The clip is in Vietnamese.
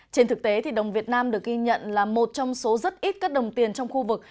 trên thực tế thì đồng việt nam được ghi nhận là một trong số rất ít các đồng tiền trong khu vực